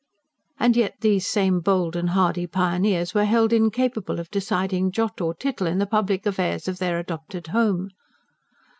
And yet these same bold and hardy pioneers were held incapable of deciding jot or tittle in the public affairs of their adopted home.